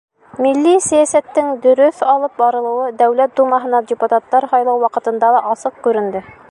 Милли сәйәсәттең дөрөҫ алып барылыуы Дәүләт Думаһына депутаттар һайлау ваҡытында ла асыҡ күренде.